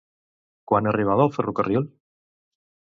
Quan arribava el ferrocarril?